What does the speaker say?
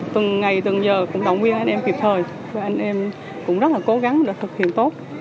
từng ngày từng giờ cũng động viên anh em kịp thời cho anh em cũng rất là cố gắng để thực hiện tốt